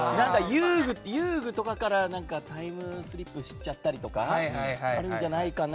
遊具とかからタイムスリップしちゃったりとかあるんじゃないかな？